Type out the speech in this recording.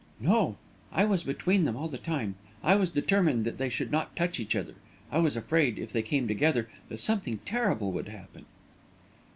"No; I was between them all the time. I was determined that they should not touch each other. I was afraid, if they came together, that something terrible would happen."